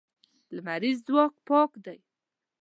لمریز ځواک پاک دی.